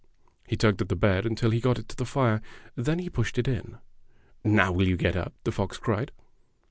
He tugged at the bed until he got it to the fire. Then he pushed it in. "Now will you get up?" the fox cried.